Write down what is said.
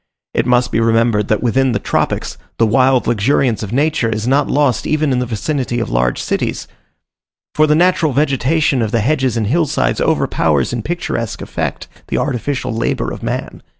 It must be remembered that within the tropics, the wild luxuriance of nature is not lost even in the vicinity of large cities: for the natural vegetation of the hedges and hill sides overpowers in picturesque effect the artificial labour of man.